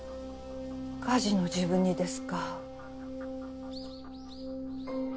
火事の時分にですか。